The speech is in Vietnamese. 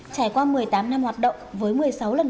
trải qua một mươi tám năm hoạt động với một mươi sáu lần trở thành